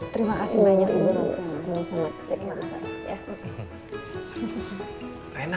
terima kasih banyak juga